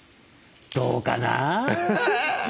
どうかな？